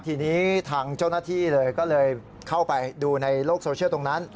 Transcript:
ทีนี้ทางเจ้าหน้าที่เลยก็เลยเข้าไปดูในโลกโซเชียลตรงนั้น